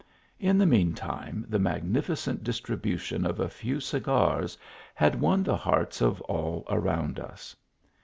In the mean time the magnificent distribution of a few cigars had won the hearts of all around us.